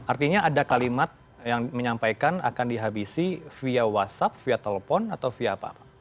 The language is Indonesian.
artinya ada kalimat yang menyampaikan akan dihabisi via whatsapp via telepon atau via apa